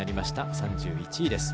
３１位です。